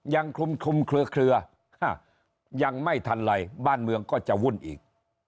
ยังคลุมเคลือยังไม่ทันไรบ้านเมืองก็จะวุ่นอีก